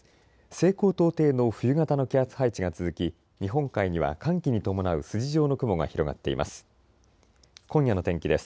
西高東低の冬型の気圧配置が続き日本海には寒気に伴う筋状の雲が広がっています。